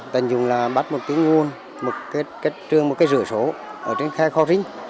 tình dụng là bắt một cái nguồn một cái trường một cái rửa số ở trên khe kho rinh